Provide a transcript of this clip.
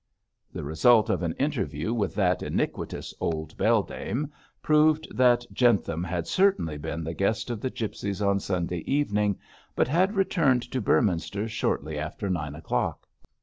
The result of an interview with that iniquitous old beldame proved that Jentham had certainly been the guest of the gipsies on Sunday evening but had returned to Beorminster shortly after nine o'clock.